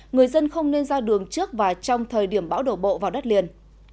người dân không nên ra đường trước và trong thời điểm bão đổ bộ vào đất liền